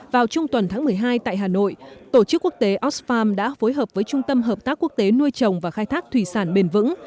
vào trung tuần tháng một mươi hai tại hà nội tổ chức quốc tế osfarm đã phối hợp với trung tâm hợp tác quốc tế nuôi trồng và khai thác thủy sản bền vững